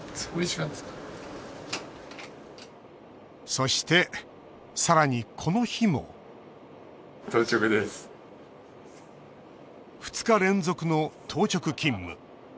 そしてさらにこの日も２日連続の当直勤務。